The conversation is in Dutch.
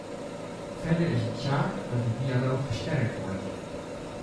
Verder is het zaak dat de dialoog versterkt wordt.